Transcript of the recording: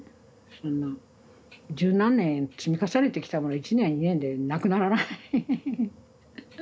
そんな十何年積み重ねてきたものは１年や２年でなくならない。